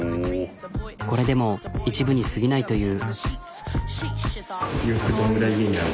これでも一部にすぎないという。